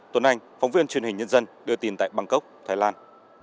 tuấn anh phóng viên truyền hình nhân dân đưa tin tại bangkok thái lan